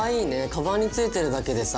カバンについてるだけでさ